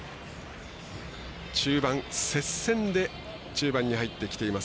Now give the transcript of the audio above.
接戦で中盤に入ってきています。